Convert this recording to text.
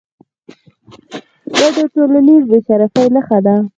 دا د ټولنیز بې شرفۍ نښه ده.